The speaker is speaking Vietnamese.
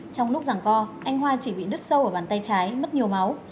trong lúc giảng co anh hoa chỉ bị đứt sâu ở bàn tay trái mất nhiều máu